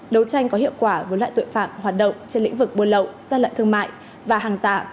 đấu tranh có hiệu quả với loại tội phạm hoạt động trên lĩnh vực buôn lậu gian lận thương mại và hàng giả